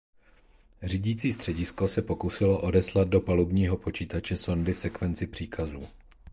Řídící středisko se pokusilo odeslat do palubního počítače sondy sekvenci příkazů.